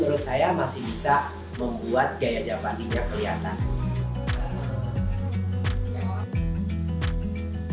itu menurut saya masih bisa membuat gaya japandi yang kelihatan